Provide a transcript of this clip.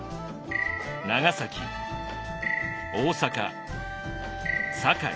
長崎大坂堺